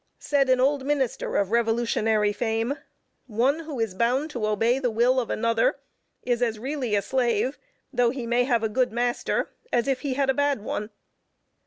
Said an old minister of revolutionary fame, "One who is bound to obey the will of another is as really a slave, though he may have a good master, as if he had a bad one."